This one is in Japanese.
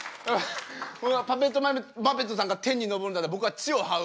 僕はパペットマペットさんが天に昇るんだったら僕は地をはう。